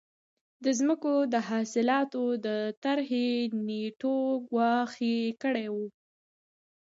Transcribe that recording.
د ځمکو د اصلاحاتو د طرحې ویټو ګواښ یې کړی و.